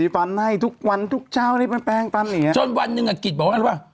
ปั้นให้ทุกวันทุกเจ้าได้แป้งปั้นอย่างเนี้ยจนวันหนึ่งอ่ะกิศบอกว่าอะไรวะ